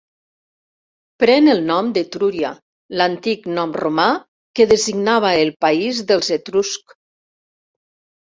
Pren el nom d'Etrúria, l'antic nom romà que designava el país dels Etruscs.